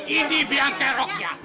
ini biang teroknya